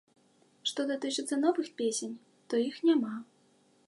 Што датычыцца новых песень, то іх няма.